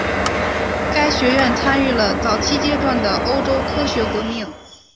该学院参与了早期阶段的欧洲科学革命。